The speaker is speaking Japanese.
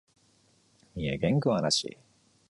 三重県桑名市